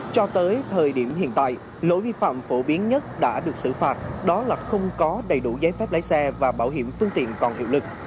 cho tới thời điểm hiện tại lỗi vi phạm phổ biến nhất đã được xử phạt đó là không có đầy đủ giấy phép lái xe và bảo hiểm phương tiện còn hiệu lực